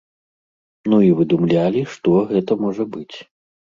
Ну і выдумлялі, што гэта можа быць.